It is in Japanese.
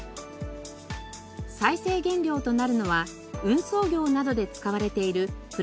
再生原料となるのは運送業などで使われている